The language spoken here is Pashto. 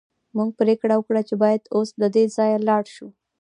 موږ پریکړه وکړه چې باید اوس له دې ځایه لاړ شو